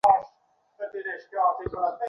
আমি এটা থেকে বের হতে পারছি না।